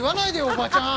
おばちゃん！